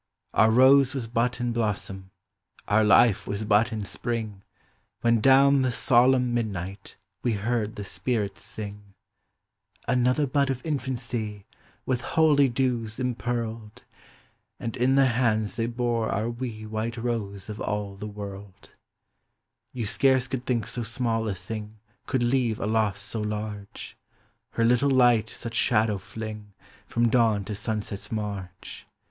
Our Kose was but in blossom. Our life was but in spring, When down the solemn midnight We heard the spirits sing. " Another bud of infam y With holy dews impearled !" And iu their hands they bore our wee White Kose of all the woil;!. You scarce could think so small a thing Could leave a loss so large; Her little light such shadow lling From dawn to sunset's marge.